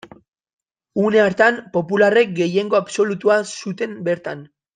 Une hartan, popularrek gehiengo absolutua zuten bertan.